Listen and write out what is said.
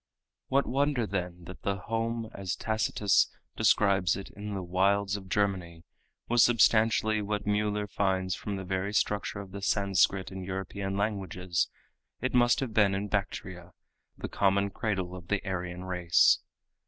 What wonder, then, that the home as Tacitus describes it in the "Wilds of Germany" was substantially what Mueller finds from the very structure of the Sanscrit and European languages it must have been in Bactria, the common cradle of the Aryan race.